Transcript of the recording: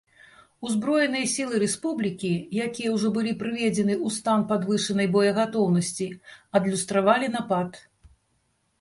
Узброеныя сілы рэспублікі, якія ўжо былі прыведзены ў стан падвышанай боегатоўнасці, адлюстравалі напад.